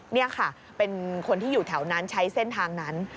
นี่ค่ะเป็นคนที่อยู่แถวนั้นใช้เส้นทางนั้น